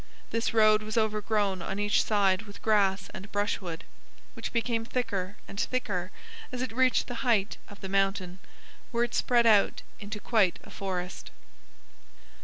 This road was overgrown on each side with grass and brushwood, which became thicker and thicker as it reached the height of the mountain, where it spread out into quite a forest.